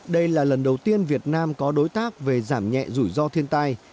đây là lần đầu tiên việt nam có đối tác về giảm nhẹ rủi ro thiên tai